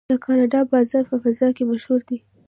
د کاناډا بازو په فضا کې مشهور دی.